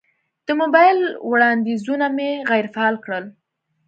د موبایل وړاندیزونه مې غیر فعال کړل.